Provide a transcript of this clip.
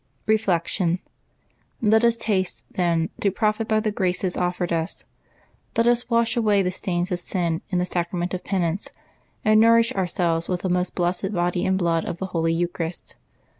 Reflection. — Let us haste, then, to profit by the graces offered us. Let us wash away the stains of sin in the Sacrament of Penance, and nourish ourselves with the most blessed body and blood of the holy Eucharist.